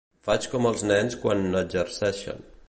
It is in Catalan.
Faig com els nens quan n'exerceixen.